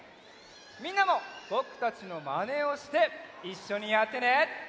みんなもぼくたちのまねをしていっしょにやってね！